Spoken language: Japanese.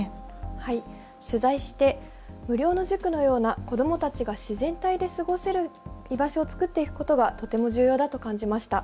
はい、取材して無料の塾のような子どもたちが自然体で過ごせる居場所を作っていくことがとても重要だと感じました。